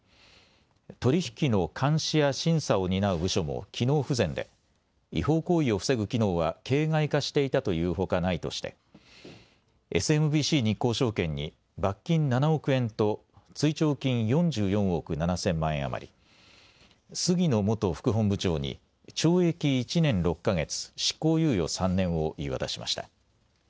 取引の監視や審査を担う部署も機能不全で違法行為を防ぐ機能は形骸化していたというほかないとしてＳＭＢＣ日興證券に罰金７億円と追徴金４４億７０００万円余り、杉野元副本部長に懲役１年６か月、執行猶予３年を言い渡しました。